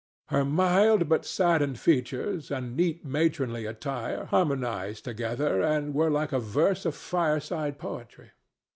Her mild but saddened features and neat matronly attire harmonized together and were like a verse of fireside poetry.